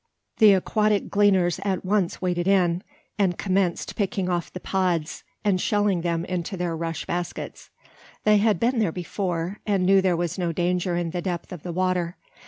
The aquatic gleaners at once waded in; and commenced picking off the pods, and shelling them into their rush baskets. They had been there before, and knew there was no danger in the depth of the water.